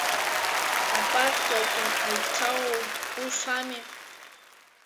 Апартиагьы ҳаицалалеит, ус ами?